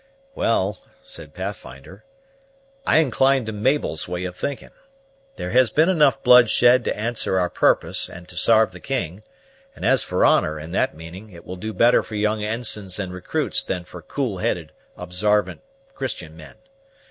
"Well," said Pathfinder, "I incline to Mabel's way of thinking. There has been enough blood shed to answer our purpose and to sarve the king; and as for honor, in that meaning, it will do better for young ensigns and recruits than for cool headed, obsarvant Christian men.